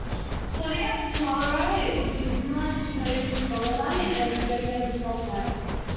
Sodium tellurite would be similar to sodium selenite and sodium sulfite.